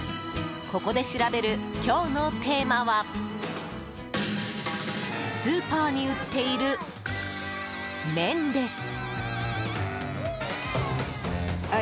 ここで調べる今日のテーマはスーパーに売っている麺です。